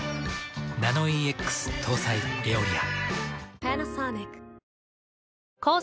ナノイーＸ搭載「エオリア」。